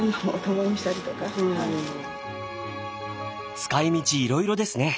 使い道いろいろですね。